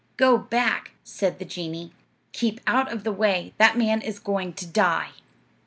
'Go back,' said the genie; 'keep out of the way. That man is going to die.'